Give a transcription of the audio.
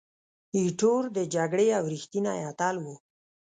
ایټور د جګړې یو ریښتینی اتل وو.